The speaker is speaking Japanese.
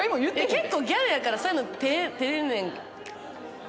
結構ギャルやからそういうの照れんねん。